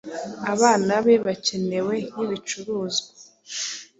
abana be bakenewe nk'ibicuruzwa